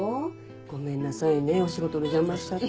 ごめんなさいねお仕事の邪魔しちゃって。